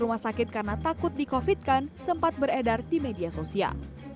rumah sakit karena takut di covid kan sempat beredar di media sosial